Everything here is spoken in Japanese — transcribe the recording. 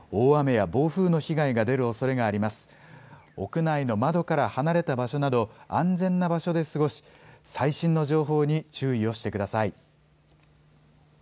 屋内の窓から離れた場所など、安全な場所で過ごし最新の情報に注意をしてください。